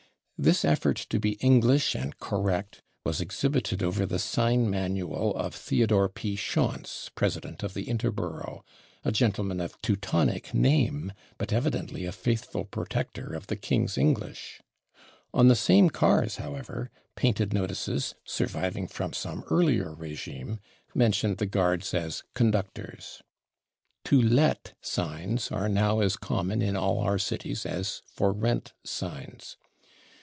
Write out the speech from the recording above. This effort to be English and correct was exhibited over the sign manual of Theodore P. Shonts, president of the Interborough, a gentleman of Teutonic name, but evidently a faithful protector of the king's English. On the same cars, however, painted notices, surviving from some earlier régime, mentioned the guards as /conductors/. /To Let/ signs are now as common in all our cities as /For Rent/ signs.